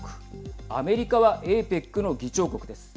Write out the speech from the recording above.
アメリカはＡＰＥＣの議長国です。